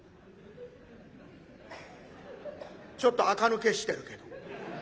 ちょっとあか抜けしてるけど。